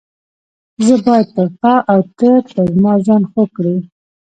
زه باید پر تا او ته پر ما ځان خوږ کړې.